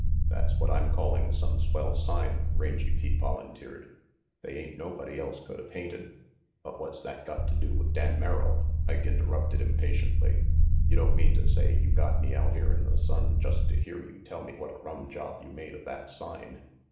"That's what I'm calling some swell sign," Rangy Pete volunteered. "They ain't nobody else coulda painted " "But what's that gotta do with Dan Merrill?" Ike interrupted impatiently. "You don't mean to say you got me out here in the sun just to hear you tell me what a rum job you made of that sign?"